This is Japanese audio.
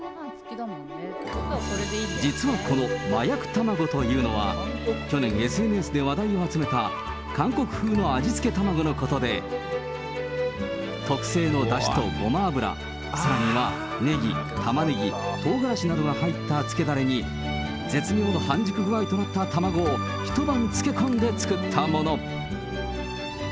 実はこの麻薬たまごというのは、去年、ＳＮＳで話題を集めた韓国風の味付け卵のことで、特製のだしとごま油、さらにはネギ、タマネギ、トウガラシなどが入った漬けだれに、絶妙な半熟具合となった卵を一晩漬け込んで作ったもの。